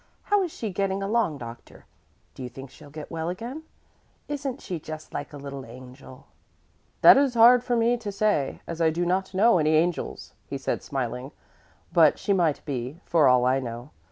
How is she getting along, doctor? Do you think she'll get well again? Isn't she just like a little angel?" "That is hard for me to say, as I do not know any angels," he said smiling, "but she might be for all I know.